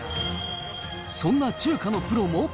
そんな中華のプロも。